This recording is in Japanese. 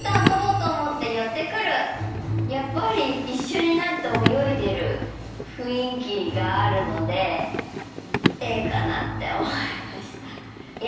やっぱり一緒になって泳いでる雰囲気があるのでＡかなって思いました。